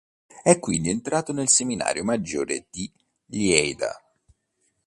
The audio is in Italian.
È quindi entrato nel seminario maggiore di Lleida.